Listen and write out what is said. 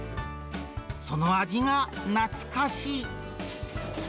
その味が懐かしい。